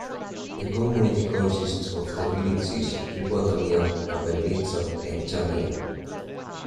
The community consists of the villages Tripotamia, Kapellitsa and Chania.